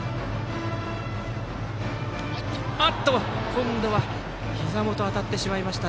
今度はひざ元に当たってしまいました。